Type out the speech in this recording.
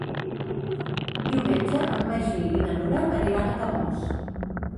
Diumenge en Magí i na Nura aniran a Camós.